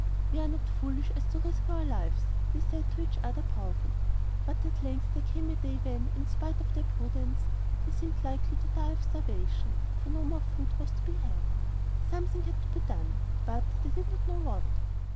"We are not so foolish as to risk our lives," they said to each other proudly. But at length there came a day when, in spite of their prudence, they seemed likely to die of starvation, for no more food was to be had. Something had to be done, but they did not know what.